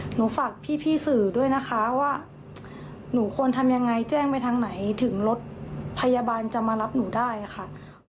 หนูฝากพี่สื่อด้วยนะคะว่าหนูควรทำยังไงแจ้งไปทางไหนถึงรถพยาบาลจะมารับหนูได้ค่ะ